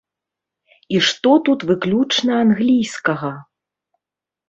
І што тут выключна англійскага?